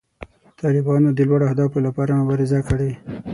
طالبانو د لوړو اهدافو لپاره مبارزه کړې.